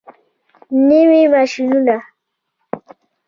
نوي ماشینونه.